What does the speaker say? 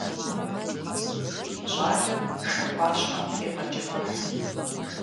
ЩӀалэм шыр Ӏуащхьэм трегъэджэгухь.